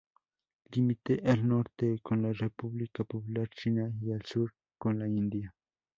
Limita al norte con la República Popular China y al sur con la India.